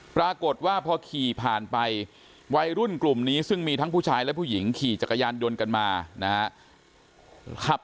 ปรากฏว่าพอขี่ผ่านไปวัยรุ่นกลุ่มนี้ซึ่งมีทั้งผู้ชายและผู้หญิงขี่จักรยานยนต์กันมานะครับ